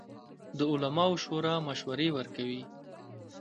د علماوو شورا مشورې ورکوي